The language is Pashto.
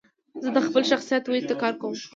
زه د خپل شخصیت ودي ته کار کوم.